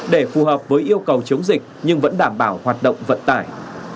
để phù hợp với yêu cầu chống dịch nhưng vẫn đảm bảo hoạt động vận tải